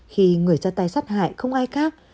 khi người ra tay sát hại không ai khác